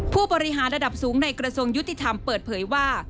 ผู้บริหารระดับสูงในกระทรวงยุติธรรมเปิดเผยว่า